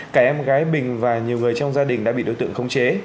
cả em gái bình và nhiều người trong gia đình đã bị đối tượng khống chế